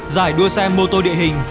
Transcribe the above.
giải đua xe mô tô địa hình